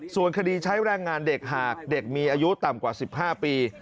ส่วนคดีใช้แรงงานเด็กหากเด็กมีอายุต่ำกว่า๑๕ปี